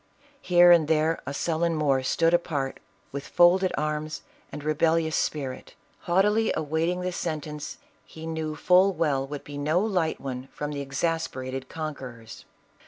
Here and there a sullen Moor stood apart with folded arms arid rebellious spirit, haughtily awaiting the sentence he knew full well would be no light one from the exasper ated conquerors.